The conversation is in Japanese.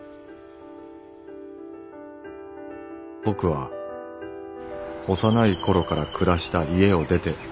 「僕は幼い頃から暮らした家を出て」。